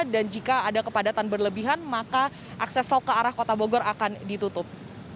dan jika ada kepadatan berlebihan maka akses tol ke arah kota bogor akan ditutup